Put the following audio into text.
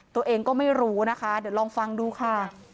ตัวเองก็ไม่รู้นะคะเดี๋ยวลองฟังดูค่ะ